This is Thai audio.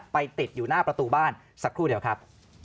ไปติดอยู่หน้าประตูบ้านสักครู่เดียวครับ